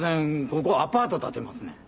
ここアパート建てますねん。